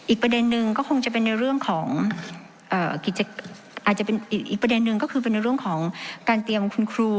อีกประเด็นนึงก็คงจะเป็นในเรื่องของอาจจะเป็นอีกประเด็นหนึ่งก็คือเป็นในเรื่องของการเตรียมคุณครู